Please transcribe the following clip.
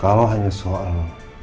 kalau hanya soal